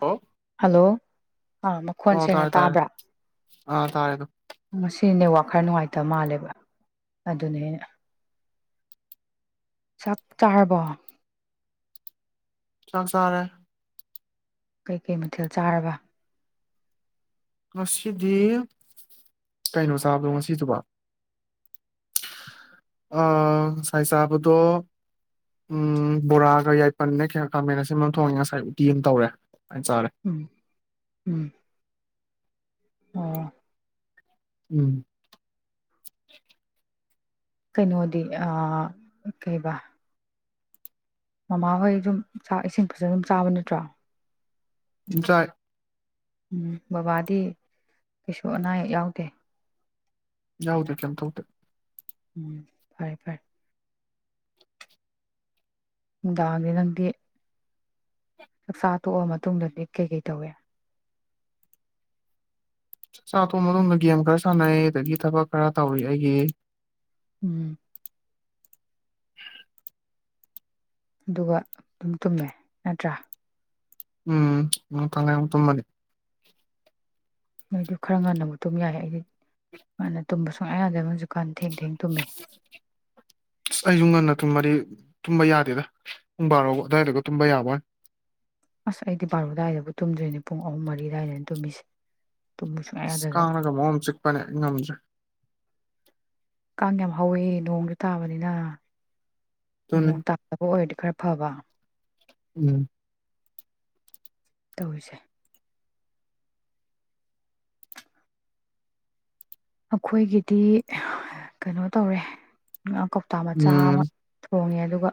hello hello ꯑꯥ ꯃꯈꯣꯟ ꯑꯣ ꯁꯦꯡꯅ ꯇꯥꯔꯦ ꯇꯥꯔꯦ ꯇꯥꯕ꯭ꯔꯥ ꯑꯥ ꯇꯥꯔꯦ ꯑꯗꯣ ꯉ ꯁꯤꯅꯦ ꯋꯥ ꯈꯔ ꯅꯨꯡꯉꯥꯏꯇꯕ ꯃꯥꯜꯂꯦꯕ ꯑꯗꯨꯅꯦꯩꯅ ꯆꯞ ꯆꯥꯔꯕꯣ ꯆꯥꯛ ꯆꯔꯦ ꯀꯩꯀꯩ ꯃꯊꯦꯜ ꯆꯥꯔꯕ ꯉꯁꯤꯗꯤ ꯀꯩꯅꯣ ꯆꯥꯕꯗꯣ ꯉꯁꯤꯗꯨꯕ ꯉꯁꯥꯏ ꯆꯥꯕꯗꯣ ꯕꯣꯔꯥꯒ ꯌꯥꯏꯄꯜꯒ ꯈꯌꯥ ꯈꯥꯃꯦꯟ ꯁꯦꯝ ꯊꯣꯡꯉꯦ ꯉꯁꯥꯏ ꯎꯇꯤ ꯑꯃ ꯇꯧꯔꯦ ꯆꯥꯔꯦ ꯎꯝ ꯎꯝ ꯑꯣ ꯎꯝ ꯀꯩꯅꯣꯗꯤ ꯑ ꯀꯩꯕ ꯃꯃꯥꯍꯣꯏ ꯑꯗꯨꯝ ꯆꯥꯛ ꯏꯁꯤꯡ ꯐꯖꯅ ꯑꯗꯨꯝ ꯆꯥꯕ ꯅꯠꯇ꯭ꯔꯣ ꯌꯥꯏ ꯎꯝ ꯕꯕꯥꯗꯤ ꯀꯩꯁꯨ ꯑꯅꯥ ꯑꯌꯦꯛ ꯌꯥꯎꯗꯦ ꯌꯥꯎꯗꯦ ꯀꯔꯤꯝ ꯇꯧꯗꯦ ꯎꯝ ꯐꯔꯦ ꯐꯔꯦ ꯅꯨꯉꯗꯥꯪ ꯋꯥꯏꯔꯝꯗꯤ ꯅꯪꯗꯤ ꯆꯥꯛꯆꯥ ꯇꯣꯛꯑ ꯃꯇꯨꯡꯗꯗꯤ ꯀꯩꯀꯩ ꯇꯧꯏꯦ ꯆꯥꯛꯆꯥ ꯑꯇꯣꯕ ꯑꯗꯣꯝꯗ ꯒꯦꯝ ꯈꯔ ꯁꯥꯟꯅꯩ ꯑꯗꯒꯤ ꯊꯕꯛ ꯈꯔ ꯇꯧꯏ ꯑꯩꯒꯤ ꯎꯝ ꯑꯗꯨꯒ ꯑꯗꯨꯝ ꯇꯨꯝꯃꯦ ꯅꯠꯇ꯭ꯔꯥ ꯎꯝ ꯉꯥꯛꯇꯪ ꯂꯩꯔꯒ ꯑꯃꯨꯛ ꯇꯨꯝꯅꯤ ꯅꯣꯏꯗꯤ ꯈꯔ ꯉꯥꯟꯟꯅꯕꯨꯛꯇꯨꯝ ꯌꯥꯏ ꯑꯩꯗꯤ ꯉꯥꯟꯅ ꯇꯨꯝꯕ ꯁꯨꯡꯌꯥ ꯌꯥꯗꯕꯁꯨꯛꯀꯥꯟ ꯊꯦꯡ ꯊꯦꯡ ꯇꯨꯝꯃꯦ ꯑꯁ ꯑꯁꯨꯨ ꯉꯟꯅ ꯊꯨꯝꯃꯗꯤ ꯇꯨꯝꯕ ꯌꯥꯗꯦꯗ ꯄꯨꯡ ꯕꯥꯔꯣ ꯑꯗꯨꯋꯥꯏꯗꯒ ꯇꯨꯝꯕ ꯌꯥꯕꯣꯏ ꯑꯁ ꯑꯩꯗꯤ ꯕꯥꯔꯨꯗꯥꯏꯗꯕꯨ ꯇꯨꯝꯗꯣꯏꯅꯦ ꯄꯨꯡ ꯑꯍꯨꯝ ꯃꯔꯤ ꯑꯗꯨꯏꯗꯅꯤ ꯇꯨꯝꯃꯤꯁꯦ ꯇꯨꯝꯕ ꯁꯨꯡꯌꯥ ꯌꯥꯗꯗꯅ ꯀꯥꯅꯒ ꯃꯑꯣ ꯑꯃ ꯆꯤꯛꯄꯅꯦ ꯉꯝꯗ꯭ꯔꯦ ꯀꯥꯡ ꯌꯥꯝ ꯍꯧꯋꯤ ꯅꯣꯡꯁꯨ ꯇꯥꯕꯅꯤꯅ ꯑꯗꯨꯅꯤ ꯅꯣꯪ ꯇꯥꯗꯕꯥ ꯑꯣꯏꯔꯗꯤ ꯈꯔꯥ ꯐꯕꯥ ꯎꯝ ꯇꯧꯔꯤꯁꯦ ꯑꯩꯈꯣꯏꯒꯤꯗꯤ ꯀꯩꯅꯣ ꯇꯧꯔꯦ ꯉꯥ ꯀꯧꯇ ꯃꯆꯥ ꯑꯃ ꯎꯝ ꯊꯣꯡꯉꯦ ꯑꯗꯨꯒ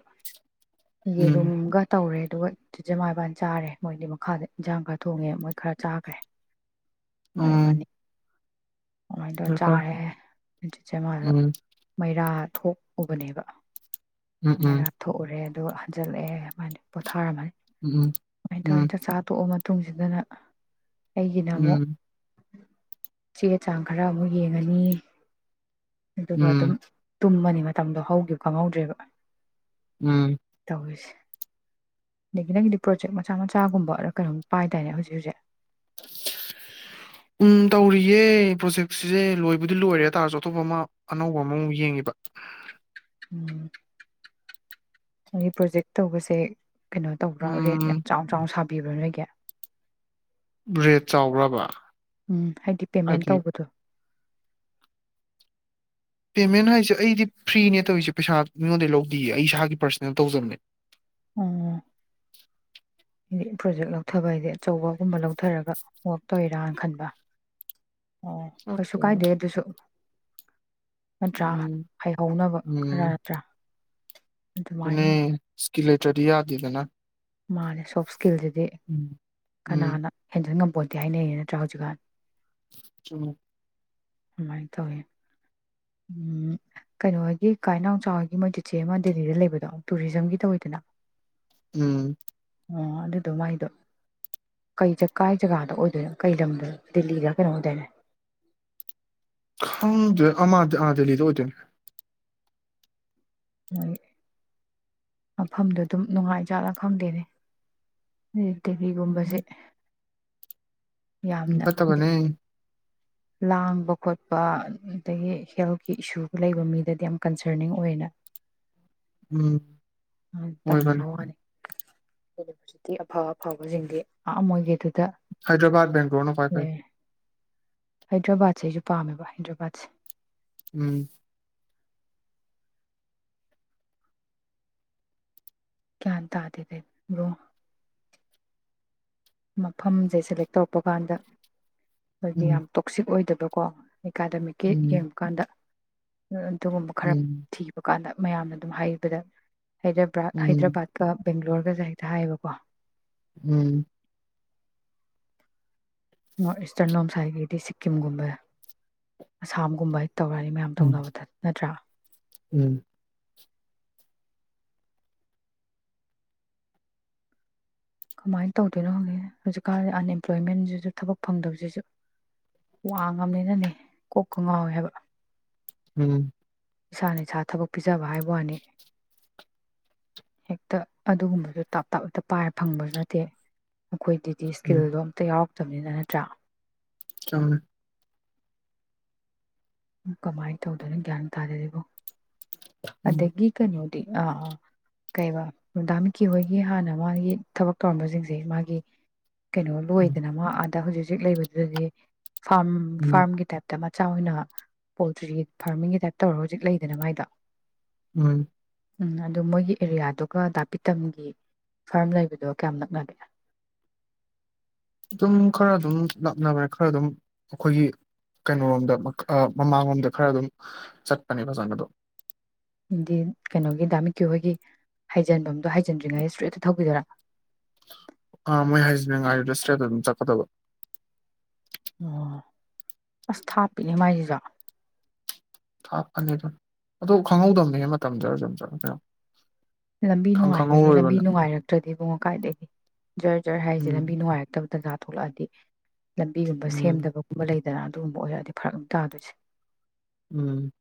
ꯎꯝ ꯌꯦꯔꯨꯝꯒ ꯇꯧꯔꯦ ꯑꯗꯨꯒ ꯆꯤ ꯆꯦ ꯃꯥ ꯏꯕꯥꯅꯤ ꯆꯥꯔꯦ ꯃꯣꯏꯗꯤ ꯃꯈꯥꯗ ꯏꯟꯁꯥꯡ ꯈꯔ ꯊꯣꯡꯉꯦ ꯃꯣꯏ ꯈꯔ ꯆꯥꯈ꯭ꯔꯦ ꯍꯣꯏ ꯎꯝ ꯃꯥꯅꯤ ꯑꯗꯨꯃꯥꯏꯅ ꯇꯧꯔ ꯎꯝ ꯎꯝ ꯆꯥꯔꯦ ꯎꯝ [unintelligible] ꯃꯩꯔꯥ ꯊꯣꯛꯎꯕꯅꯦꯕ ꯎꯝ ꯃꯔꯥ ꯊꯣꯛꯎꯔꯦ ꯑꯗꯨ ꯍꯟꯖꯤꯜꯂꯛꯑꯦ ꯑꯗꯨꯃꯥꯏꯅ ꯄꯣꯊꯥꯔꯝꯃꯅꯤ ꯎꯝ ꯎꯝ ꯇꯨꯪꯁꯤꯗꯟ ꯑꯩꯒꯤ ꯅꯃꯣꯛ ꯎꯝ ꯆꯦꯇ ꯆꯥꯡ ꯈꯔ ꯑꯃꯨꯛ ꯌꯦꯡꯉꯅꯤ ꯑꯗꯨꯒ ꯑꯗꯨꯝ ꯇꯨꯝꯕꯅꯤ ꯃꯇꯝꯗꯣ ꯍꯧꯈꯤꯕ ꯈꯪꯍꯧꯗ꯭ꯔꯦꯕ ꯎꯝ [unintelligible] ꯅꯪꯒꯤꯗꯤ ꯄ꯭ꯔꯣꯖꯦꯛ ꯃꯆꯥ ꯃꯆꯥꯒꯨꯝꯕ ꯀꯩꯅꯣꯝ ꯄꯥꯏ ꯇꯔꯅꯦ ꯍꯧꯖꯤꯛ ꯍꯧꯖꯤꯛ ꯎꯝ ꯇꯧꯔꯤꯌꯦ ꯄ꯭ꯔꯣꯖꯦꯛꯁꯤꯁꯦ ꯂꯣꯏꯕꯨꯗꯤ ꯂꯣꯏꯔꯦ ꯍꯥꯏ ꯇꯥꯔꯁꯨ ꯑꯇꯣꯞꯄ ꯑꯃ ꯑꯅꯧꯕ ꯑꯃꯃꯨꯛ ꯌꯦꯡꯉꯤꯕ ꯎꯝ ꯑꯩꯒꯤ ꯄ꯭ꯔꯣꯖꯦꯛ ꯇꯧꯕꯁꯦ ꯀꯩꯅꯣ ꯇꯧꯕ꯭ꯔꯥ ꯔꯦꯠ ꯌꯥꯝ ꯎꯝ ꯆꯥꯎ ꯆꯥꯎꯅ ꯁꯥꯕ ꯄꯕꯤꯕꯅ ꯀꯦ ꯕ꯭ꯔꯦꯗ ꯆꯥꯎꯈ꯭ꯔꯕ ꯎꯝ ꯄꯦꯃꯦꯟ ꯍꯥꯏꯗꯤ ꯇꯧꯕꯗꯣ ꯄꯦꯃꯦꯟ ꯍꯥꯏꯁꯦ ꯑꯩꯗꯤ ꯐ꯭ꯔꯤꯅꯦ ꯇꯧꯔꯤꯁꯦ ꯄꯩꯁꯥ ꯃꯤꯉꯣꯟꯗꯩ ꯂꯧꯗꯌꯦ ꯑꯩ ꯏꯁꯥꯒꯤ ꯄꯥꯔꯁꯅꯦꯜ ꯇꯧꯖꯕꯅꯦ ꯎꯝ [inaudible] ꯍꯥꯏꯗꯤ ꯄ꯭ꯔꯣꯖꯦꯛ ꯂꯧꯊꯕ ꯍꯥꯏꯗꯤꯦ ꯑꯆꯧꯕꯒꯨꯝꯕ ꯂꯧꯊꯔꯒ ꯋꯥꯛ ꯇꯧꯋꯔꯥꯅ ꯈꯟꯕ ꯑꯣ ꯀꯩꯁꯨ ꯑꯗꯨꯅ, ꯀꯥꯏꯗꯦ ꯑꯗꯨꯁꯨ ꯅꯠꯇ꯭ꯔꯥ ꯎꯝ ꯍꯩꯍꯧꯅꯕ ꯈꯔ ꯅꯠꯇ꯭ꯔꯥ ꯇ ꯑꯗꯨꯃꯥꯏꯅ ꯏꯁꯀꯤ ꯏꯁꯇꯔꯤꯌꯥꯖꯤꯗꯅ ꯃꯥꯅꯦ ꯁꯣꯞ ꯏꯁꯀꯤꯜꯁꯤꯗꯤ ꯎꯝ ꯀꯅꯥꯅ ꯍꯦꯟꯖꯤꯟ ꯉꯝ ꯄꯣꯠꯇꯤ ꯍꯥꯏꯅꯩꯅꯦ ꯅꯠꯇ꯭ꯔꯥ ꯍꯧꯖꯤꯛꯀꯥꯟ ꯑ ꯑꯗꯨꯃꯥꯏꯅ ꯇꯧꯋꯤ ꯎ ꯀꯩꯅꯣꯒꯤ ꯀꯥꯏꯅꯥꯎꯆꯒꯤ ꯃꯣꯏ ꯆꯤꯆꯦ ꯑꯃ ꯗꯦꯜꯂꯤꯗ ꯂꯩꯕꯗꯣ ꯇꯨꯔꯤꯖꯝꯒꯤ ꯇꯧꯋꯤꯗꯅ ꯎꯝ ꯑꯣ ꯑꯗꯨꯗꯣ ꯃꯥꯏꯗꯣ ꯀꯩ ꯀꯥꯏ ꯖꯒꯥꯗ ꯑꯣꯏꯗꯣꯏꯅꯣ ꯀꯩ ꯂꯝꯗ ꯗꯦꯜꯂꯤꯗ ꯀꯩꯅꯣ ꯑꯣꯏꯗꯣꯏꯅꯦ ꯍꯪꯗ ꯑꯗ ꯑꯗꯜꯂꯤꯗ ꯍꯧꯖꯅꯦ ꯃꯣꯏ ꯃꯐꯝꯗ ꯑꯗꯨꯝ ꯅꯨꯡꯉꯥꯏꯖꯥꯠꯅ ꯈꯪꯗꯦꯅꯦ ꯗꯦꯜꯂꯤꯒꯨꯝꯕꯁꯦ ꯎꯝ ꯌꯥꯝꯅꯗꯤ ꯐꯠꯇꯕꯅꯦ ꯂꯥꯡꯕ ꯈꯣꯠꯄ ꯑꯗꯒꯤ ꯍꯦꯜꯠꯀꯤ ꯏꯁꯨ ꯂꯩꯕ ꯃꯤꯗꯗꯤ ꯌꯥꯝ ꯀꯟꯁꯔꯅꯤꯡ ꯑꯣꯏꯅ ꯑꯣꯏꯅ ꯎꯝ ꯑꯣꯏꯣꯏꯕꯅꯤ ꯋꯥꯅꯤ ꯌꯨꯅꯤꯚꯔꯁꯤꯇꯤ ꯑꯐ ꯑꯐꯕꯁꯤꯡꯗꯤ ꯑ ꯑꯣꯏꯒꯦ ꯍꯥꯏꯗ꯭ꯔꯕꯥꯗ ꯕꯦꯡꯒ꯭ꯂꯣꯔꯅꯣ ꯐꯥꯏ ꯐꯥꯏ ꯍꯥꯏꯗ꯭ꯔꯕꯥꯠꯁꯦ ꯑꯩꯁꯨ ꯄꯥꯝꯃꯦꯕ ꯍꯥꯏꯗ꯭ꯔꯕꯥꯠꯁꯦ ꯎꯝ ꯀꯌꯥꯟ ꯇꯗꯗ ꯣ ꯃꯐꯝꯁꯦ ꯁꯦꯂꯦꯛ ꯇꯧꯔꯛꯄ ꯀꯥꯟꯗ ꯑꯩꯈꯣꯏꯒꯤ ꯌꯥꯝ ꯎꯝ ꯇꯣꯛꯁꯤꯛ ꯑꯣꯏꯗꯕ ꯀꯣ ꯑꯦꯀꯥꯗꯃꯤꯛꯀꯤ ꯎꯝ ꯌꯦꯡꯕꯀꯥꯟꯗ ꯑꯗꯨꯒꯨꯝꯕ ꯈꯔ ꯎꯝ ꯊꯤꯕ ꯀꯥꯟꯗ ꯃꯌꯥꯝꯅ ꯑꯗꯨꯝ ꯍꯥꯏꯕꯗ ꯍꯥꯏꯗ꯭ꯔ ꯎꯝ ꯍꯥꯏꯗ꯭ꯔꯕꯥꯠꯀ ꯕꯦꯡꯒ꯭ꯂꯣꯔꯒꯁ ꯍꯦꯛꯇ ꯍꯥꯏꯌꯦꯕꯀꯣ ꯎꯝ ꯅ ꯏꯁꯇꯔꯟ ꯂꯣꯝꯁ ꯍꯥꯏꯥꯏꯒꯗꯤ ꯁꯤꯛꯀꯤꯝꯒꯨꯝꯕꯦ ꯑꯁꯥꯝꯒꯨꯝꯕ ꯇꯧꯔꯛꯅꯤ ꯃꯌꯥꯝ ꯎꯝ ꯇꯧꯅꯕꯗ ꯅꯠꯇ꯭ꯔꯥ ꯎꯝ ꯀꯃꯥꯏꯅ ꯇꯧꯗꯣꯏꯅꯣ ꯍꯧꯖꯤꯛ ꯍꯧꯖꯤꯛꯀꯥꯟꯗꯤ ꯑꯟꯑꯦꯝꯄ꯭ꯂꯣꯏꯃꯦꯟꯁꯤꯁꯨ ꯊꯕꯛ ꯐꯪꯗꯕꯁꯤꯁꯨ ꯋꯥꯉꯕꯅꯤꯅꯅꯦ ꯀꯣꯛꯀ ꯉꯥꯎꯋꯦ ꯍꯥꯏꯕ ꯎꯝ ꯏꯁꯥꯅ ꯏꯁꯥ ꯊꯕꯛ ꯄꯤꯖꯕ ꯍꯥꯏꯕ ꯋꯥꯅꯤ ꯍꯦꯛꯇ ꯑꯗꯨꯒꯨꯝꯕꯁꯨ ꯇꯞ ꯇꯥꯞꯦꯛꯇ ꯄꯥꯏꯔ ꯐꯪꯕꯁꯨ ꯅꯠꯇꯦ ꯑꯩꯈꯣꯏꯗꯗꯤ ꯎꯝ ꯁ꯭ꯀꯤꯜꯗꯣ ꯑꯝꯇ ꯌꯥꯎꯔꯦ ꯅꯤꯅ ꯅꯠꯇ꯭ꯔꯥ ꯀꯃꯃꯦ ꯀꯃꯥꯏꯅ ꯇꯧꯗꯣꯏꯅꯣ ꯒ꯭ꯌꯥꯟ ꯇꯥꯖꯔꯤꯕꯣ ꯎꯝ ꯑꯗꯒ ꯒꯤ ꯀ ꯅ ꯑꯥ ꯑꯥ ꯀꯩ ꯔꯅꯨꯡꯗꯥꯃꯤꯀꯤꯍꯣꯏꯒꯤ ꯍꯥꯟꯅ ꯃꯥꯒꯤ ꯊꯕꯛ ꯇꯧꯔꯝꯕꯁꯤꯡꯁꯦ ꯃꯥꯒꯤ ꯀꯩꯅꯣ ꯎꯝ ꯂꯣꯏꯗꯅ ꯃꯥ ꯍꯧꯖꯤꯛ ꯍꯧꯖꯤꯛ ꯂꯩꯕꯗꯨꯗꯗꯤ ꯐꯥꯔꯝ ꯎꯝ ꯐꯥꯔꯝꯒꯤ ꯇꯥꯏꯞꯇ ꯆ ꯑꯣꯏꯅ ꯄꯣꯜꯇ꯭ꯔꯤ ꯐꯥꯔꯃꯤꯡꯒꯤ ꯇꯥꯏꯞ ꯇꯧꯔꯒ ꯍꯧꯖꯤꯛ ꯂꯩꯗꯅ ꯃꯥꯏꯗ ꯎꯝ ꯎꯝ ꯑꯗꯨ ꯃꯣꯏꯒꯤ ꯑꯦꯔꯤꯌꯥꯗꯨꯒ ꯗꯥꯥꯛꯄꯤ ꯇꯝꯒꯤ ꯐꯥꯔꯝ ꯂꯩꯕꯗꯣ ꯀꯌꯥꯝ ꯅꯛꯅꯒꯦ ꯑꯗꯨꯝ ꯈꯔ ꯑꯗꯨꯝ ꯂꯥꯞꯅꯕꯅꯦ ꯈꯔ ꯑꯗꯨꯝ ꯑꯩꯈꯣꯏꯒꯤ ꯀꯩꯅꯣꯣꯔꯣꯝꯗ ꯃꯃꯥꯡꯂꯣꯝꯗ ꯈꯔ ꯑꯗꯨꯝ ꯆꯠꯄꯅꯦ ꯕꯖꯟ ꯑꯗꯣ ꯗꯤ ꯀꯩꯅꯣꯒꯤ ꯗꯥꯃꯤꯀꯤꯍꯣꯏꯒꯤ ꯍꯥꯏꯩꯖꯤꯟꯐꯝ ꯑꯣꯖꯗ꯭ꯔꯤꯩ ꯏꯁꯇ꯭ꯦꯠꯇ ꯊꯧꯕꯤꯗꯥ ꯑꯥ ꯃꯣꯏ ꯍꯥꯏꯁ ꯃ ꯉꯥ ꯔꯦꯁꯇꯔꯤꯦꯗ ꯑꯗꯨꯝ ꯆꯠꯀꯗꯕ ꯑꯣ ꯑꯁ ꯊꯥꯞꯄꯤꯅꯦ ꯃꯥꯏꯁꯤꯗ ꯊꯥꯞꯀꯅꯤ ꯑꯗꯨ ꯑꯗꯨ ꯈꯪꯍꯧꯗꯕꯅꯤ ꯃꯇꯝ ꯆꯨꯝ ꯂꯝꯕꯤ ꯅꯨꯡꯉꯥꯏꯕꯩꯅꯦ ꯂꯝꯕꯤ ꯅꯨꯡꯉꯥꯏꯔꯛꯇ꯭ꯔꯗꯤ ꯏꯕꯨꯡ ꯀꯥꯏꯗꯒꯤ ꯖꯔ ꯖꯔ ꯍꯥꯏꯁꯦ ꯎꯝ ꯂꯝꯕꯤ ꯅꯨꯡꯉꯥꯏꯔꯛꯇꯕ ꯗꯖꯥ ꯊꯂꯗꯤ ꯂꯝꯕꯤꯒꯨꯝꯕ ꯎꯝ ꯁꯦꯝꯗꯕꯒꯨꯝꯕ ꯂꯩ ꯑꯗꯨꯗꯅ ꯑꯗꯨꯒꯨꯝꯕ ꯑꯣꯏꯔꯛꯑꯗꯤ ꯐꯔꯛ ꯑꯗꯨꯝ ꯇꯥꯗꯣꯏꯁꯦ ꯎꯝ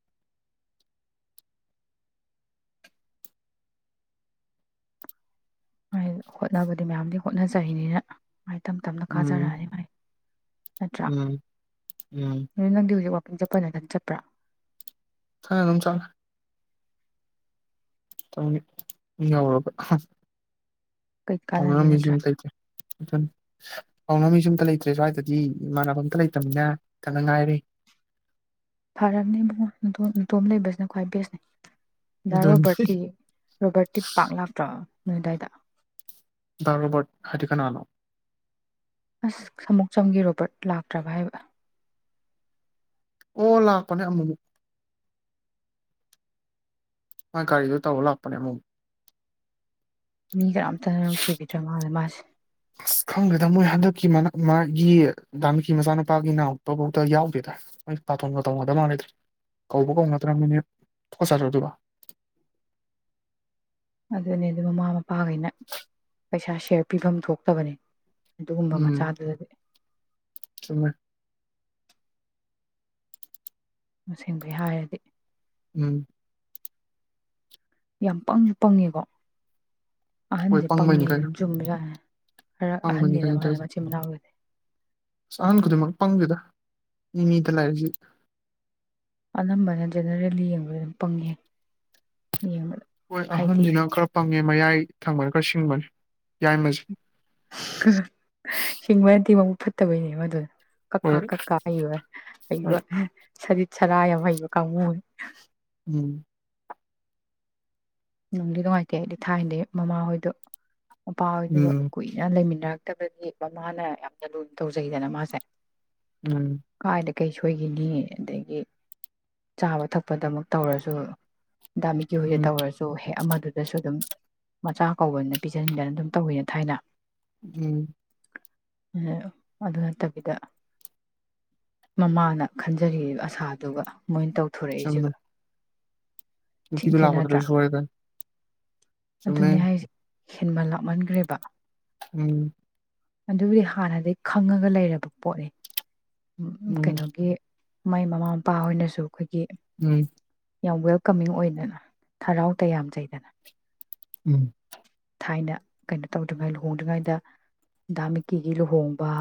ꯍꯣꯠꯅꯕꯗꯤ ꯃꯌꯥꯝꯗꯤ ꯍꯣꯠꯅꯖꯩꯅꯤꯅ ꯃꯥꯏ ꯇꯝ ꯇꯞꯅ ꯎꯝ ꯀꯥꯖꯔꯛꯑꯅꯤ ꯃꯥꯥꯏ ꯑꯆꯥꯥ ꯎꯝ ꯎꯝ ꯍꯧ ꯪ ꯆꯠꯄꯅ ꯅꯪ ꯆꯠꯄ꯭ꯔꯥ ꯊꯉ ꯑꯗꯨꯝ ꯆ ꯌꯥ ꯀꯩ ꯀꯥꯟꯅꯅꯤ ꯍꯉ ꯅꯠꯇ꯭ꯔꯥ ꯃꯤꯁꯤꯨꯝ ꯊꯥꯏꯇꯦ ꯑꯗꯨ ꯀꯧꯅ ꯃꯤꯁ ꯑꯝꯇ ꯂꯩꯇ꯭ꯔꯦ ꯁ꯭ꯋꯥꯏꯗꯗꯤ ꯏꯃꯥꯟꯅꯕ ꯑꯝꯇ ꯂꯩꯇꯕꯅꯤꯅ ꯀꯟꯅ ꯉꯥꯏꯔꯦ ꯐꯔꯕꯅꯦ ꯏꯕꯨꯡꯉꯣ ꯅꯇꯣꯝ ꯅꯇꯣꯝ ꯂꯩꯕꯁꯤꯅ ꯈ꯭ꯋꯥꯏ ꯦꯁꯅꯦ ꯑꯗꯨꯅꯤ ꯔꯣꯕꯔꯇꯤ ꯔꯣꯕꯔꯇꯤ ꯄꯥꯛꯂ ꯅꯗꯥꯥꯏꯗ ꯗ ꯔꯣꯕꯔꯠ ꯍꯗꯤ ꯈꯅ ꯑꯅꯣ ꯑꯁ ꯁꯃꯨꯛ ꯆꯝꯒꯦ ꯔꯣꯕꯔꯠ ꯂꯥꯛꯇ꯭ꯔꯕ ꯍꯥꯏꯕ ꯑꯣ ꯂꯥꯛꯄꯅꯦ ꯑꯃꯨ ꯃꯥ ꯀꯒꯥꯔꯤꯗꯨ ꯇꯧ ꯂꯥꯛꯄꯅꯦ ꯃꯨ ꯃꯤ ꯀꯔꯝꯇ ꯅꯨꯡꯁꯤꯕꯤꯗ꯭ꯔꯦ ꯃꯥꯁꯦ ꯃꯥꯁꯦ ꯑꯁ ꯈꯪꯗ꯭ꯔꯦꯗ ꯃꯣꯏ ꯍꯟꯗꯛꯀꯤ ꯃꯥꯒꯤ ꯗꯥꯟꯀꯤ ꯃꯆꯥꯅꯨꯄꯥꯒꯤ ꯅꯥꯎꯛꯇꯐꯧꯗ ꯌꯥꯎꯗꯦꯗ ꯃꯣꯏ ꯄꯥꯊꯣꯟꯒ ꯇꯧꯅꯗꯕ ꯃꯥꯟꯂꯗ꯭ꯔꯦ ꯀꯧꯕ ꯀꯧꯅꯗ꯭ꯔꯃꯤꯅꯦ ꯈꯠꯆꯔ꯭ꯔ ꯑꯗꯨꯒ ꯑꯗꯨꯅꯦ ꯑꯗꯨ ꯃꯃꯥ ꯃꯄꯥꯈꯩꯅ ꯄꯩꯁꯥ ꯁꯦꯌꯔ ꯄꯤꯐꯝ ꯊꯣꯛꯇꯕꯅꯦ ꯑꯗꯨꯒꯨꯝꯕ ꯎꯝ ꯃꯆꯥꯗꯨꯗꯗꯤ ꯆꯨꯝꯃꯦ ꯃꯁꯤꯡꯕꯩ ꯍꯥꯏꯔꯗꯤ ꯎꯝ ꯌꯥꯝ ꯄꯪꯁꯨ ꯄꯪꯉꯦꯀꯣ ꯑꯍꯟꯁꯦ ꯄꯪꯉꯦꯁꯦ ꯑꯗꯨꯝ ꯆꯨꯝꯕ ꯌꯥꯥꯠꯦ ꯄꯥꯡꯕꯅꯤ ꯀꯩꯅꯣ ꯇꯁꯦ ꯑꯁ ꯑꯍꯟ ꯈꯨꯗꯤꯡꯃꯛ ꯄꯪꯗꯦꯗ ꯏꯃꯤꯗꯂꯁꯤ ꯑꯅꯝꯕꯅ ꯖꯦꯅꯔꯦꯜꯂꯤ ꯌꯦꯡꯕꯗ ꯑꯗꯨꯝ ꯄꯪꯉꯦ ꯌꯦꯡꯕꯗ ꯍꯣꯏ ꯍꯥꯏꯗꯤ ꯑꯍꯣꯟꯖꯤꯅ ꯈꯔ ꯄꯪꯉꯦ ꯃꯌꯥꯏ ꯊꯪꯕꯅ ꯈꯔ ꯁꯤꯡꯕꯅꯦ ꯌꯥꯏꯃꯁꯦ ꯁꯦꯡꯃꯗꯤꯃ ꯆꯠꯇꯕꯩꯅꯦ ꯃ ꯑꯗꯨ ꯀꯀꯥ ꯍꯣꯏ ꯀꯀꯥ ꯑꯣ ꯑꯣ ꯍꯣꯏ ꯁ ꯆꯔꯥ ꯌꯥꯝ ꯀꯃꯦ ꯎꯝ ꯅꯨꯡꯗꯤ ꯅꯨꯡꯉꯥꯏꯇꯦ ꯑꯩꯗꯤ ꯊꯥꯏꯅꯗꯤꯩ ꯃꯃꯥꯍꯣꯏꯗ ꯃꯄꯥ ꯍꯣꯏꯗꯨꯒ ꯎꯝ ꯀꯨꯏꯅ ꯂꯩꯃꯤꯟꯅꯔꯒ ꯕꯗꯤ ꯃꯃꯥꯅ ꯌꯥꯝꯅ ꯂꯨꯅ ꯇꯧꯖꯩꯗꯅ ꯃꯥꯁꯦ ꯎꯝ ꯀꯥꯏꯗ ꯀꯩ ꯁꯣꯏꯈꯤꯅꯤ ꯑꯗꯒꯤ ꯆꯥꯕ ꯊꯛꯄꯗꯃꯛ ꯇꯧꯔꯁꯨ ꯗꯥꯃꯤꯒꯤ ꯍꯁꯦ ꯎꯝ ꯇꯧꯔꯁꯦ ꯍꯦꯛ ꯑꯃꯗꯨꯗꯁꯨ ꯑꯗꯨꯝ ꯃꯆꯥ ꯀꯧꯕꯅ ꯄꯤꯖꯅꯤꯡꯗꯅ ꯑꯗꯨꯝ ꯇꯧꯋꯤꯅ ꯊꯥꯏꯅ ꯎꯝ ꯑꯗꯨ ꯅꯠꯇꯕꯤꯗ ꯃꯃꯥꯅ ꯈꯟꯖꯔꯤ ꯑꯁꯥꯗꯨꯒ ꯃꯣꯏꯅ ꯇꯧ ꯊꯣꯔꯛꯏꯁꯤꯦꯒ ꯝꯤꯁꯨ ꯂꯥꯛꯄꯗ ꯑꯣꯏꯣꯏ ꯁꯣꯏꯦ ꯑꯗꯨꯅꯦ ꯍꯥꯏꯁ ꯍꯦꯟꯕꯟ ꯂꯥꯛꯃꯟꯈ꯭ꯔꯦꯕ ꯎꯝ ꯑꯗꯨꯕꯨꯗꯤ ꯍꯥꯟꯅꯗꯤ ꯈꯪꯉꯒ ꯂꯩꯔꯕ ꯄꯣꯠꯅꯤ ꯎꯝ ꯀꯩꯅꯣꯒꯤ ꯃꯥꯏ ꯃꯃꯥ ꯃꯄꯥ ꯍꯣꯏꯅꯁꯨ ꯑꯩꯈꯣꯏꯒꯤ ꯎꯝ ꯌꯥꯝ ꯋꯦꯜꯀꯃꯤꯡ ꯑꯣꯏꯅꯗꯅ ꯍꯔꯥꯎ ꯇꯌꯥꯝꯖꯗꯅ ꯎꯝ ꯊꯥꯏꯅ ꯀꯩꯅꯣ ꯇꯧꯗ꯭ꯔꯤꯉꯩ ꯂꯨꯍꯣꯡꯗ꯭ꯔꯤꯉꯩꯗ ꯍꯗꯥ ꯃꯤꯀꯤꯒꯤ ꯂꯨꯍꯣꯡꯕ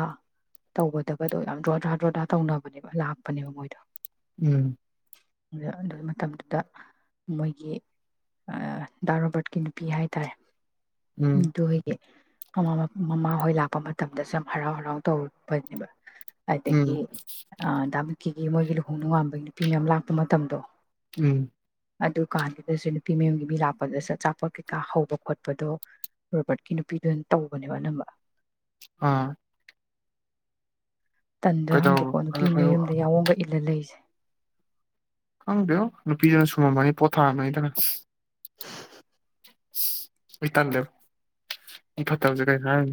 ꯇꯧꯕꯒꯗꯕꯗꯣ ꯌꯥꯝ ꯗ꯭ꯔꯣꯗ꯭ꯔꯥ ꯗ꯭ꯔꯣꯗ꯭ꯔꯥ ꯇꯧꯅꯕꯅꯦꯕ ꯂꯥꯛꯄꯅꯦꯕ ꯃꯣꯏꯗꯣ ꯎꯝ ꯑ ꯑꯗꯨꯒꯤ ꯃꯇꯝꯗꯨꯗ ꯃꯣꯏꯒꯤ ꯗꯥ ꯔꯣꯕꯔꯠꯀꯤ ꯅꯨꯄꯤ ꯍꯥꯏ ꯇꯔꯦ ꯎ ꯎꯝ ꯇ ꯍꯒꯦ ꯀꯃꯃ ꯑꯩꯈꯣꯏ ꯂꯥꯛꯄ ꯃꯇꯝꯗ ꯁꯨꯝ ꯍꯔꯥꯎ ꯍꯔꯥꯎ ꯇꯧꯕꯅꯦꯕ ꯑꯗꯨꯗꯒꯤ ꯎꯝ ꯑ ꯇ ꯀꯒꯃ ꯍꯨꯅ ꯋꯥ ꯅꯨꯄꯤꯤ ꯃꯌꯥꯝ ꯂꯥꯛꯄ ꯃꯇꯝꯗꯣ ꯎꯝ ꯑꯗꯨ ꯀꯥꯟꯗꯨꯗꯁꯨ ꯅꯨꯄꯤ ꯃꯌꯨꯝꯒꯤ ꯃꯤ ꯂꯥꯛꯄꯗ ꯆ ꯑꯆꯥꯄꯣꯠ ꯀꯩꯀꯥ ꯍꯧꯕ ꯈꯣꯠꯄꯗꯣ ꯔꯣꯕꯥꯔꯠꯀꯤ ꯅꯨꯄꯤꯗꯨꯅ ꯇꯧꯕꯅꯦꯕ ꯑꯅꯝꯕ ꯑꯥ ꯇꯟꯗ꯭ꯔꯥꯪꯗꯤꯀꯣ ꯀꯩꯗꯧ ꯅꯨꯄꯤ ꯃꯌꯨꯝꯗ ꯌꯥꯎꯒ ꯏꯜꯂ ꯂꯩꯁꯦ ꯈꯪꯕꯤꯌꯣ ꯅꯨꯄꯤꯗꯨꯅ ꯁꯨꯝꯃꯝꯃꯅꯤ ꯄꯣꯊꯥꯔꯝꯃꯅꯤꯗꯅ ꯏ ꯇꯜꯗꯦꯕ ꯏ ꯐꯠꯇ ꯍꯧꯁꯦ ꯀꯩ ꯍꯥꯏ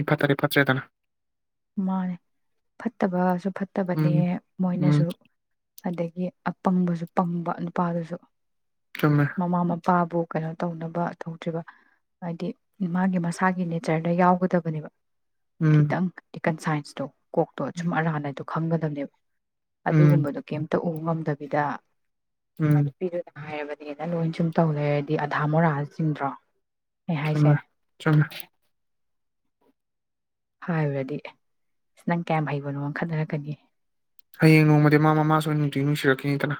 ꯏ ꯐꯥꯠꯇꯔꯦ ꯐꯠꯇ꯭ꯔꯦꯗꯅ ꯃꯥꯅꯦ ꯐꯠꯇꯕꯁꯨ ꯐꯠꯇꯕꯅꯦ ꯎꯝ ꯃꯣꯏꯅꯁꯨ ꯎꯝ ꯑꯗꯒꯤ ꯑꯄꯪꯕꯁꯨ ꯄꯪꯕ ꯅꯨꯄꯥꯗꯨꯁꯨ ꯆꯨꯝꯃꯦ ꯃꯃꯥ ꯃ ꯄꯕꯥꯕꯨ ꯀꯩꯅꯣ ꯇꯧꯅꯕ ꯊꯣꯛꯧꯇ꯭ꯔꯤꯕ ꯍꯥꯏꯗꯤ ꯃꯥꯒꯤ ꯃꯁꯥꯒꯤ ꯅꯦꯆꯔꯗ ꯌꯥꯎꯒꯗꯕꯅꯦꯕ ꯎꯝ ꯈꯤꯇꯪ ꯍꯟ ꯁꯥꯏꯟꯁꯇꯣ ꯀꯣꯛꯇꯣ ꯑꯁꯨꯝ ꯑꯔꯥꯟ ꯍꯥꯏꯗ ꯈꯪꯒꯗꯕꯅꯦꯕ ꯎꯝ ꯑꯗꯨꯒꯨꯝꯕꯗꯨ ꯀ ꯇ ꯎ ꯉꯝꯗꯕꯤꯗ ꯎꯝ ꯤ ꯍꯥꯏꯥꯏꯔꯕꯅꯤ ꯅꯪ ꯂꯣꯏꯅ ꯁꯨꯝ ꯇꯧ ꯂꯩꯦ ꯍꯥꯏꯔꯗꯤ ꯑꯙꯥ ꯃꯣꯔꯥ ꯆꯤꯡꯗ꯭ꯔꯣ ꯑꯩ ꯍꯥꯏꯁꯦ ꯆꯉꯣ ꯆꯉꯣ ꯍꯥꯏꯨꯔꯗꯤ ꯑꯁ ꯅꯪ ꯀꯌꯥꯝ ꯍꯩꯕꯅꯣ ꯈꯟꯅꯔꯛꯀꯅꯤ ꯍꯌꯦꯡ ꯅꯣꯡꯃꯗꯤ ꯃꯥ ꯃꯃꯥꯁꯨ ꯅꯨꯡꯇꯤ ꯅꯨꯡꯁꯤꯔꯛꯈꯤꯅꯤꯗꯅ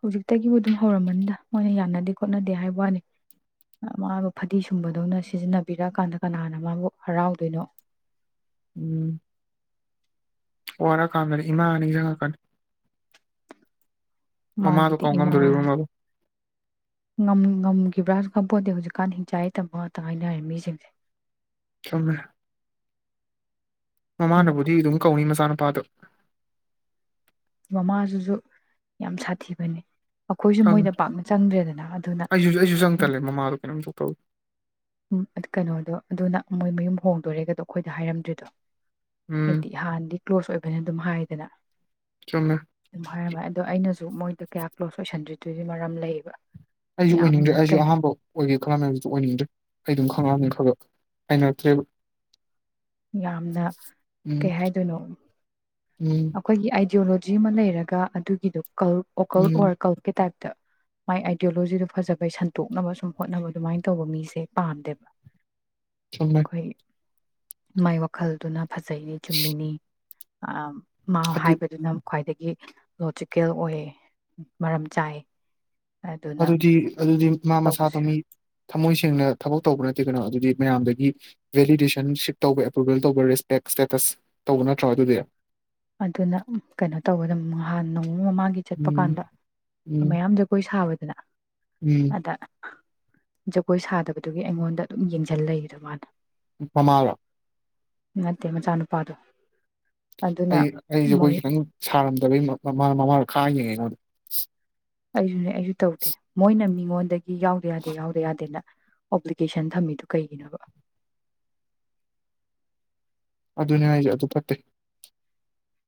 ꯍꯧꯖꯤꯛꯇꯒꯤꯕꯨ ꯑꯗꯨꯝ ꯍꯧꯔꯝꯃꯟꯗ ꯃꯣꯏꯅ ꯌꯥꯅꯗꯦ ꯈꯣꯠꯅꯗꯦ ꯍꯥꯏꯕ ꯋꯥꯅꯤ ꯃꯥꯕꯨ ꯐꯗꯤ ꯁꯨꯝꯕꯗꯧꯅ ꯁꯤꯖꯤꯟꯅꯕꯤꯔꯛꯑꯀꯥꯟꯗ ꯀꯅꯥꯅ ꯃꯥꯕꯨ ꯍꯔꯥꯎꯗꯣꯏꯅꯣ ꯎꯝ ꯋꯥꯔꯥ ꯀꯥꯟꯗꯗꯤ ꯏꯃꯥ ꯍꯥꯏꯅ ꯅꯤꯡꯁꯪꯉꯛꯀꯅꯤ ꯃꯃꯥꯗꯣ ꯃꯥꯒꯤꯗꯤ ꯏꯃꯥ ꯀꯥꯎꯉꯝꯗꯣꯔꯤꯕꯣ ꯃꯥꯕꯣ ꯉꯝꯈꯤꯕ꯭ꯔꯥꯁꯨ ꯈꯔꯄꯣꯠꯇꯦ ꯍꯧꯖꯤꯛꯀꯥꯟ ꯍꯤꯡꯆꯥꯥꯏ ꯌꯥꯏꯇꯝꯕ ꯉꯥꯛꯇ ꯉꯥꯏꯅꯔꯦ ꯃꯤꯁꯤꯡꯁꯦ ꯆꯨꯃꯦ ꯑꯗꯨꯅ ꯃꯃꯥꯅꯕꯨꯗꯤ ꯑꯗꯨꯝ ꯀꯧꯅꯤ ꯃꯆꯥꯅ ꯄꯥꯗꯨ ꯃꯃꯥꯁꯤꯁꯨ ꯌꯥꯝ ꯁꯥꯊꯤꯕꯅꯦ ꯑꯩꯈꯣꯏꯁꯨ ꯈꯪ ꯃꯣꯏꯅ ꯄꯥꯛꯅ ꯆꯪꯗ꯭ꯔꯦꯗꯅ ꯑꯗꯨꯅ ꯑꯩꯁꯨ ꯑꯩꯁꯨ ꯆꯪ ꯎꯝ ꯇꯜꯂꯦ ꯃꯃꯥꯗꯣ ꯀꯩꯅꯣꯝ ꯇꯧ ꯇꯧꯋꯤ ꯎꯝ ꯀꯩꯅꯣꯗꯣ ꯑꯗꯨꯅ ꯃꯣꯏ ꯃꯌꯨꯝ ꯍꯣꯡꯗꯣꯔꯦꯒꯗꯣ ꯑꯩꯈꯣꯏꯗ ꯍꯥꯏꯔꯝꯗ꯭ꯔꯤꯗꯣ ꯎꯝ ꯍꯥꯏꯗꯤ ꯍꯥꯟꯗꯤ ꯀ꯭ꯂꯣꯁ ꯑꯣꯏꯕꯅꯤ ꯑꯗꯨꯝ ꯍꯥꯏꯗꯅ ꯆꯨꯃꯦ ꯐꯔ ꯃꯥ ꯑꯗꯣ ꯑꯩꯅꯁꯨ ꯃꯣꯏꯗ ꯀꯌꯥ ꯀ꯭ꯂꯣꯁ ꯑꯣꯏꯁꯟꯗ꯭ꯔꯤꯗꯨꯣꯏꯒꯤ ꯃꯔꯝ ꯂꯩꯌꯦꯕ ꯑꯩꯁꯨ ꯑꯣꯏꯅꯤꯡꯗ꯭ꯔꯦ ꯌꯥꯝꯅ ꯑꯩꯁꯨ ꯀꯩ ꯍꯥꯏ ꯑꯍꯥꯟꯕ ꯑꯣꯏꯒꯦ ꯈꯟꯂꯝꯃꯦ ꯑꯗꯨ ꯑꯣꯏꯅꯤꯡꯗ꯭ꯔꯦ ꯑꯩ ꯑꯗꯨꯝ ꯈꯪꯉꯛꯑꯃꯦ ꯈꯒ ꯍꯩꯅꯔꯛꯇ꯭ꯔꯦꯕ ꯌꯥꯝꯅ ꯎꯝ ꯀꯩ ꯍꯥꯏꯗꯣꯏꯅꯣ ꯎꯝ ꯑꯩꯈꯣꯏꯒꯤ ꯑꯥꯏꯗ꯭ꯌꯤꯂꯣ ꯖꯤ ꯑꯃ ꯂꯩꯔꯒ ꯑꯗꯨꯒꯤꯗꯣ ꯎꯝ [unintelligible] ꯇꯥꯏꯞ ꯃꯥꯏ ꯑꯥꯏꯗꯤꯌꯣꯂꯣꯖꯤꯗꯣ ꯐꯖꯕꯩ ꯁꯟꯇꯣꯛꯅꯕ ꯁꯨꯝ ꯍꯣꯠꯅꯕ ꯑꯗꯨꯃꯥꯏꯅ ꯇꯧꯕ ꯃꯤꯁꯦ ꯄꯥꯝꯗꯦꯕ ꯆꯨꯃꯦ ꯑꯩꯈꯣꯏ ꯃꯥꯏ ꯋꯥꯈꯜꯗꯨꯅ ꯐꯖꯩꯅꯦ ꯆꯨꯝꯃꯤꯅꯤ ꯑ ꯃꯥ ꯑꯗꯨ ꯍꯥꯏꯕꯗꯨꯅ ꯈ꯭ꯋꯥꯏꯗꯒꯤ ꯂꯣꯖꯤꯀꯦꯜ ꯑꯣꯏꯌꯦ ꯃꯔꯝ ꯆꯥꯏ ꯑꯗꯨꯅ ꯑꯗꯨꯗꯤ ꯑꯗꯨꯗꯤ ꯃꯥ ꯃꯁꯥꯗꯣ ꯇꯧꯕꯁꯦ ꯃꯤ ꯊꯝꯃꯣꯏꯁꯤ ꯊꯦꯡꯅ ꯊꯕꯛ ꯇꯧꯕ ꯅꯠꯇꯦ ꯀꯩꯅꯣ ꯑꯗꯨꯗꯤ ꯃꯌꯥꯝꯗꯒꯤ ꯚꯦꯂꯤꯗꯦꯁꯟ ꯁꯤꯞ ꯇꯧꯕ ꯑꯦꯄ꯭ꯔꯨꯕꯦꯜ ꯇꯧꯕ ꯔꯦꯁꯄꯦꯛ ꯁꯇꯦꯇꯁ ꯇꯧꯕ ꯅꯠꯇ꯭ꯔꯣ ꯑꯗꯨꯗꯤ ꯑꯗꯨꯅ ꯀꯩꯅꯣ ꯇꯧꯕꯗ ꯅꯍꯥꯟ ꯅꯣꯡꯃ ꯃꯃꯥꯡꯒꯤ ꯆꯠꯄ ꯎꯝ ꯀꯥꯟꯗ ꯎꯝ ꯃꯌꯥꯝ ꯖꯒꯣꯏ ꯁꯥꯕꯗ [unintelligible] ꯎꯝ ꯑꯗ ꯖꯒꯣꯏ ꯁꯥꯗꯕꯗꯨꯒꯤ ꯑꯩꯉꯣꯟꯗ ꯑꯗꯨꯝ ꯌꯦꯡꯁꯤꯟ ꯂꯩꯗ ꯃꯥꯅ ꯐꯃꯥꯂ ꯅꯠꯇꯦ ꯃꯆꯥꯅꯨꯄꯥꯗꯨ ꯑꯗꯨꯅ ꯑꯩꯁꯦ ꯑꯩꯈꯣꯏ ꯃꯣꯏ ꯈꯤꯇꯪ ꯝꯗꯕꯃ ꯃꯃꯥꯗ ꯈꯥꯡꯉꯤꯉꯣꯟꯗ ꯑꯩꯁꯨꯅꯦ ꯑꯩꯁꯨ ꯇꯧꯗꯦ ꯃꯣꯏꯅ ꯃꯤ ꯉꯣꯟ ꯌꯥꯎꯗ ꯌꯥꯗ ꯌꯥꯎꯗ ꯌꯥꯗꯦꯅ ꯑꯣꯄ꯭ꯂꯤꯀꯦꯁꯟ ꯊꯝꯃꯤꯗꯨ ꯀꯩꯒꯤꯅꯣꯕ ꯑꯗꯨꯅꯦ ꯍꯥꯏꯁꯦ ꯑꯗꯨ ꯐꯠꯇꯦ